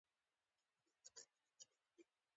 خر دماغه خلک تل پر خپلو کړنو پښېمانه وي.